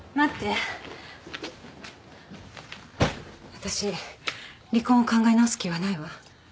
私離婚を考え直す気はないわ。